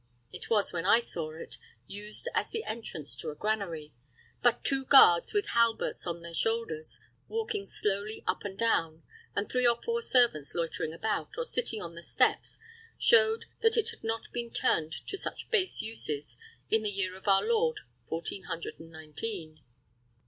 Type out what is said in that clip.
It was, when I saw it, used as the entrance to a granary; but two guards, with halberts on their shoulders, walking slowly up and down, and three or four servants loitering about, or sitting on the steps, showed that it had not been turned to such base uses, in the year of our Lord fourteen hundred and nineteen.